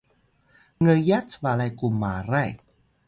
’ngyat balay ku Maray